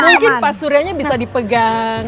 mungkin pasuryanya bisa dipegang